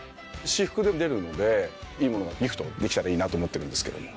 私服で出るのでいいものがギフトできたらいいなと思ってるんですけども。